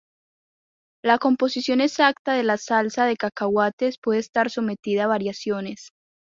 La composición exacta de la salsa de cacahuetes puede estar sometida a variaciones.